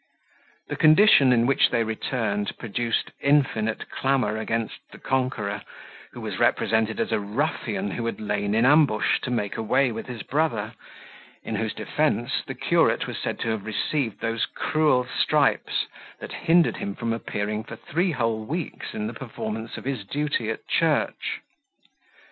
The condition in which they returned produced infinite clamour against the conqueror, who was represented as a ruffian who had lain in ambush to make away with his brother, in whose defence the curate was said to have received those cruel stripes that hindered him from appearing for three whole weeks in the performance of his duty at church.